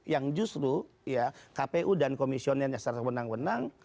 yang justru kpu dan komisioner yang setelah menang menang